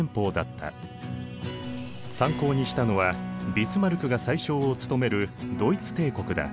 参考にしたのはビスマルクが宰相を務めるドイツ帝国だ。